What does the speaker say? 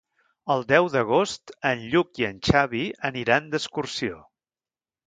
El deu d'agost en Lluc i en Xavi aniran d'excursió.